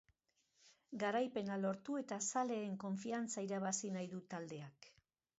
Garaipena lortu eta zaleen konfiantza irabazi nahi du taldeak.